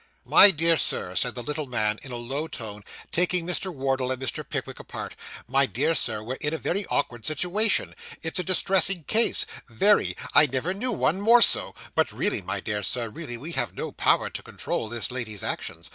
'My dear Sir,' said the little man, in a low tone, taking Mr. Wardle and Mr. Pickwick apart 'my dear Sir, we're in a very awkward situation. It's a distressing case very; I never knew one more so; but really, my dear sir, really we have no power to control this lady's actions.